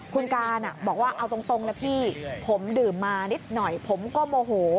คุณการบอกว่าเอาตรงนะพี่ผมดื่มมานิดหน่อยผมก็โมโห